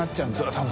多分。